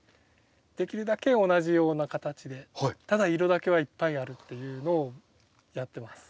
できるだけ同じような形でただ色だけはいっぱいあるっていうのをやってます。